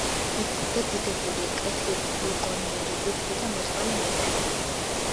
მეფობდა დიდებული, კეთილგონიერი, უხვი და მოწყალე მეფე.